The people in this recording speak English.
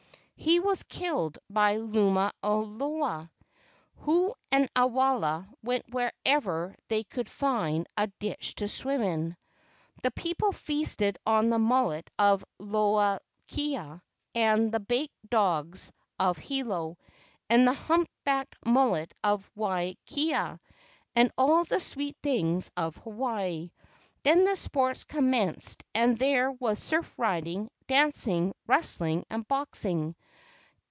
He was killed by Limaloa. Hou and Awela went wherever they could find a ditch to swim in. The people feasted on the mullet of Lolakea and the baked dogs of Hilo and the humpbacked mullet of Waiakea and all the sweet things of Hawaii. Then the sports commenced and there was surf riding, dancing, wrestling, and boxing.